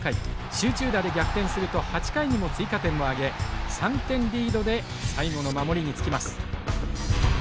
集中打で逆転すると８回にも追加点を挙げ３点リードで最後の守りにつきます。